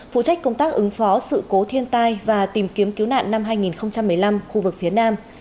phụ trách công tác ứng phó sự cố thiên tai và tìm kiếm cứu nạn năm hai nghìn một mươi năm khu vực phía nam